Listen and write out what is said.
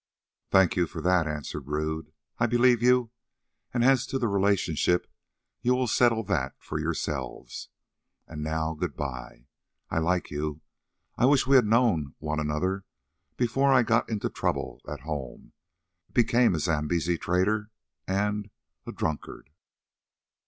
"Thank you for that," answered Rodd. "I believe you, and as to the relationship, you will settle that for yourselves. And now good bye. I like you. I wish that we had known one another before I got into trouble at home, became a Zambesi trader, and—a drunkard."